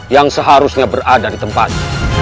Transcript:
yang seharusnya berada di tempat